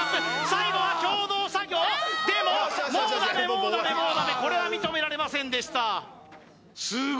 最後は共同作業でももうダメもうダメもうダメこれは認められませんでした